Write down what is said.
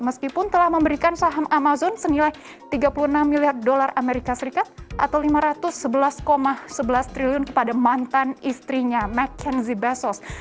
meskipun telah memberikan saham amazon senilai tiga puluh enam miliar dolar amerika serikat atau lima ratus sebelas sebelas triliun kepada mantan istrinya mckenzi bezos